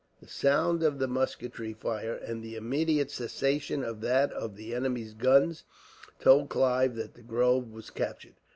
The sound of the musketry fire, and the immediate cessation of that of the enemy's guns, told Clive that the grove was captured.